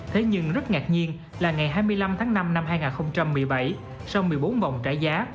thế nhưng rất ngạc nhiên là ngày hai mươi năm tháng năm năm hai nghìn một mươi bảy sau một mươi bốn vòng trả giá